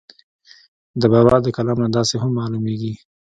د بابا دَکلام نه داسې هم معلوميږي